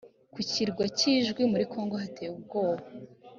ku kirwa cy idjwi muri congo hateye ubwoba